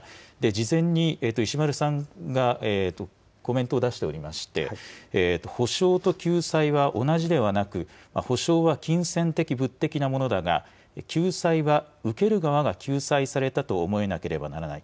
事前に石丸さんがコメントを出しておりまして、補償と救済は同じではなく、補償は金銭的、物的なものだが、救済は受ける側が救済されたと思えなければならない。